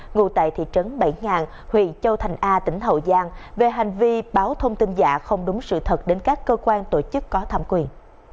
ngủ tại thị trấn bảy huyện châu thành a tỉnh hậu giang về hành vi báo thông tin giả không đúng sự thật đến các cơ quan tổ chức có thẩm quyền